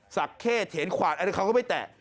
สักเค้เถียนขวาดเธอก็ไม่แตะ